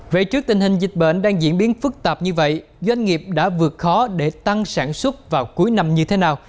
vậy trước tình hình dịch bệnh đang diễn biến phức tạp như vậy doanh nghiệp đã vượt khó để tăng sản xuất vào cuối năm như thế nào